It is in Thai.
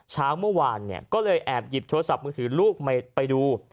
เช้าเมื่อวานก็เลยแอบหยิบโทรศัพท์มือถือลูกไปดู